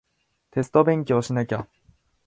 テスト勉強しなきゃ